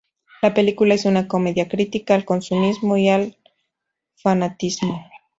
La película es una comedia crítica al consumismo y el fanatismo.